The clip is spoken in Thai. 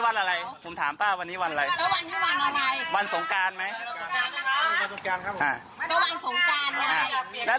เมื่อกี้ฉันผ่านไปสองคนคนเดินผ่านทำไมไม่ลาด